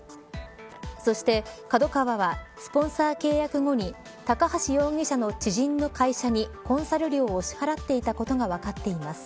そして、ＫＡＤＯＫＡＷＡはスポンサー契約後に高橋容疑者の知人の会社にコンサル料を支払っていることが分かっています。